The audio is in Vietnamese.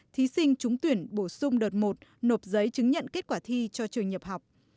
thí sinh trúng tuyển bổ sung đợt một nộp giấy chứng nhận kết quả thi cho trường nhập học